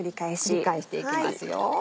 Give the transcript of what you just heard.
繰り返していきますよ。